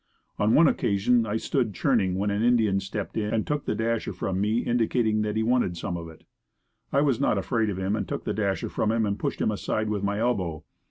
On one occasion I stood churning when an Indian stepped in and took the dasher from me indicating that he wanted some of it. I was not afraid of him and took the dasher from him and pushed him aside with my elbow.